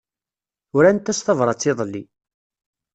Urant-as tabrat iḍelli.